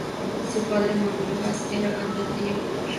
Su padre, Manuel Gas, era cantante y actor.